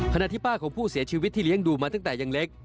ที่ป้าของผู้เสียชีวิตที่เลี้ยงดูมาตั้งแต่ยังเล็ก